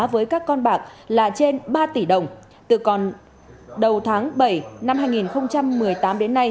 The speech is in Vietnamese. với các con bạc là trên ba tỷ đồng từ còn đầu tháng bảy năm hai nghìn một mươi tám đến nay